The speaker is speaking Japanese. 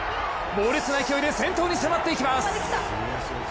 猛烈な勢いで先頭に迫っていきます！